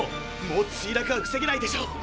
もう墜落は防げないでしょう。